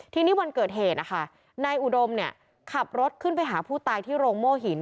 ทีนี้วันเกิดเหตุนะคะนายอุดมเนี่ยขับรถขึ้นไปหาผู้ตายที่โรงโม่หิน